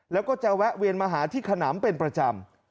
แล้วก็จะแวะเวียนมาหาที่ขนำเป็นประจำ